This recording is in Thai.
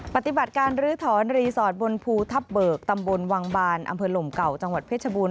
ปฏิบัติการลื้อถอนรีสอร์ทบนภูทับเบิกตำบลวังบานอำเภอหลมเก่าจังหวัดเพชรบูร